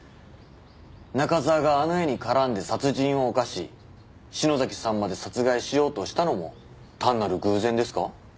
中沢があの家に絡んで殺人を犯し篠崎さんまで殺害しようとしたのも単なる偶然ですか？